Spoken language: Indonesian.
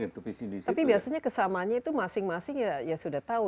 tapi biasanya kesamaannya itu masing masing ya sudah tahu